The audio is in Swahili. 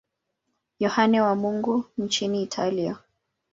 Yohane wa Mungu nchini Italia.